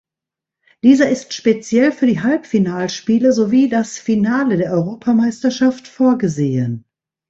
Dieser ist speziell für die Halbfinalspiele sowie das Finale der Europameisterschaft vorgesehen.